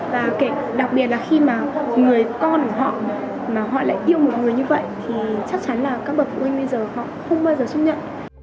và đặc biệt là khi mà người con của họ mà họ lại yêu một người như vậy thì chắc chắn là các bậc phụ huynh bây giờ họ không bao giờ chấp nhận